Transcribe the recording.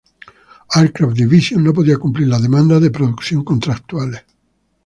Aircraft Division no podía cumplir las demandas de producción contractuales.